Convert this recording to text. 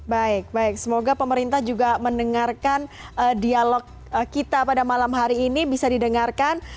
baik baik semoga pemerintah juga mendengarkan dialog kita pada malam hari ini bisa didengarkan